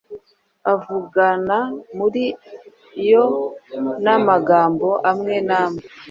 avugana muri yo namagambo amwe namwe